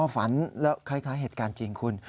ฝันแล้วคล้ายเหตุการณ์จริงคุณ